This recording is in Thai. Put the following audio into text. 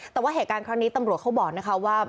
แต่ว่าเหตุการณ์ครั้งนี้ตำรวจเขาบอกนะคะว่า